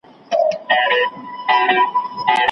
نه یې پښې لامبو ته جوړي نه لاسونه